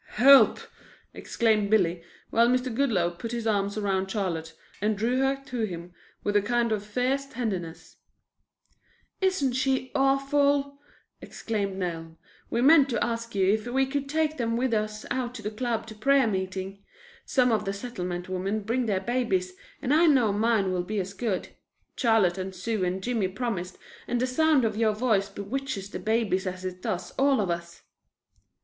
"Help!" exclaimed Billy, while Mr. Goodloe put his arm around Charlotte and drew her to him with a kind of fierce tenderness. "Isn't she awful?" exclaimed Nell. "We meant to ask you if we could take them with us out to the Club to prayer meeting. Some of the Settlement women bring their babies and I know mine will be as good. Charlotte and Sue and Jimmy promised, and the sound of your voice bewitches the babies as it does all of us."